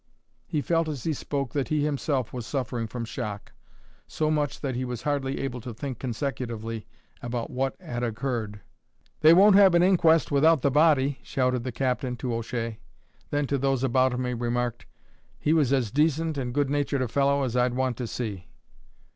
He felt as he spoke that he himself was suffering from shock so much so that he was hardly able to think consecutively about what had occurred. "They won't have an inquest without the body," shouted the captain to O'Shea. Then to those about him he remarked: "He was as decent and good natured a fellow as I'd want to see."